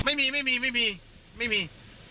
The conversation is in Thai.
ไม่มีไม่มีไม่มี